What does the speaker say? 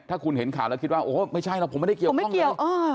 ถ้าคุณเห็นข่าวแล้วคิดว่าโอ้ไม่ใช่หรอกผมไม่ได้เกี่ยวข้องเลย